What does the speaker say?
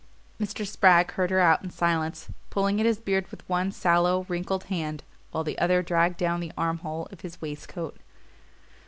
Mr. Spragg heard her out in silence, pulling at his beard with one sallow wrinkled hand, while the other dragged down the armhole of his waistcoat.